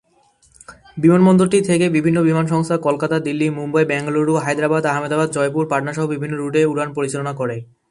বিমানবন্দরটি থেকে বিভিন্ন বিমান সংস্থা কলকাতা, দিল্লি, মুম্বই, বেঙ্গালুরু, হায়দ্রাবাদ, আহমেদাবাদ, জয়পুর, পাটনা সহ বিভিন্ন রুটে উড়ান পরিচালনা করে।